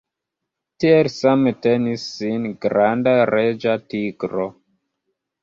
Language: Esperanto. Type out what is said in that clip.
Tiel same tenis sin granda reĝa tigro.